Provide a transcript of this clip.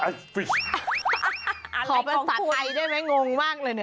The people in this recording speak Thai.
อะไรของคุณขอบสัตว์ไอได้ไหมงงมากเลยเนี่ย